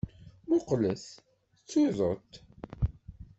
Mmuqqlet! D tuḍut!